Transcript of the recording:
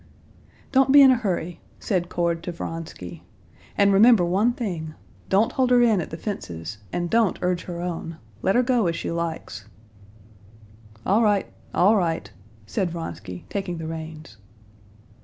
"Don't be in a hurry," said Cord to Vronsky, "and remember one thing: don't hold her in at the fences, and don't urge her on; let her go as she likes." "All right, all right," said Vronsky, taking the reins.